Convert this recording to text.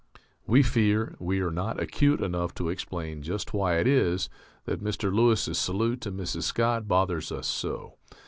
We fear we are not acute enough to explain just why it is that Mr. Lewis's salute to Mrs. Scott bothers us so.